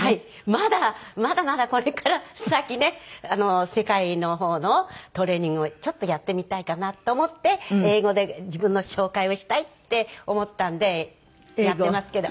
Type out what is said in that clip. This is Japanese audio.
まだまだまだこれから先ね世界の方のトレーニングをちょっとやってみたいかなと思って英語で自分の紹介をしたいって思ったのでやってますけど。